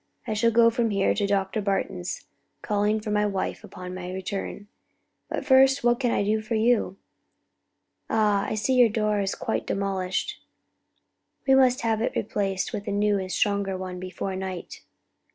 I shall go from here to Dr. Barton's; calling for my wife on my return. But first what can I do for you? Ah, I see your door is quite demolished. We must have it replaced with a new and stronger one before night."